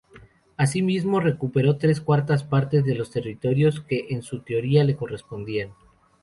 Asimismo, recuperó tres cuartas partes de los territorios que en su teoría le correspondían.